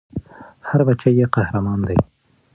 هر بــچی ېي قـــهــــــــرمان دی